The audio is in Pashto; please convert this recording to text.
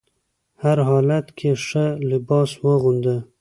هر حالت کې ښه لباس واغونده.